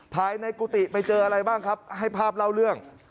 ภายในกุฏิไปเจออะไรบ้างครับให้ภาพเล่าเรื่อง